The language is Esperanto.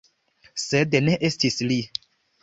Sed, ne estis li.